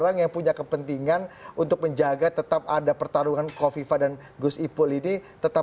orang yang punya kepentingan untuk menjaga tetap ada pertarungan kofifa dan gus ipul ini tetap